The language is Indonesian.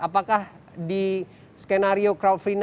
apakah di skenario crowd free night ini